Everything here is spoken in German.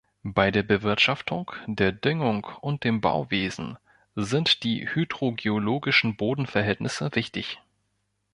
Bei der Bewirtschaftung, der Düngung und im Bauwesen sind die hydrogeologischen Bodenverhältnisse wichtig.